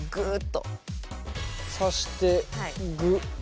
挿してグッ。